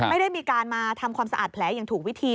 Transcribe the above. ไม่ได้มีการมาทำความสะอาดแผลอย่างถูกวิธี